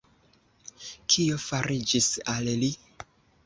Kio fariĝis al li?